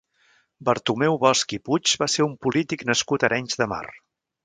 Bartomeu Bosch i Puig va ser un polític nascut a Arenys de Mar.